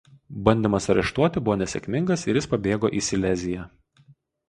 Bandymas areštuoti buvo nesėkmingas ir jis pabėgo į Sileziją.